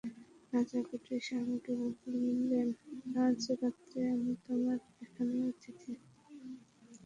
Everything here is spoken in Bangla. রাজা কুটিরস্বামীকে বলিলেন, আজ রাত্রে আমি তোমার এখানে অতিথি।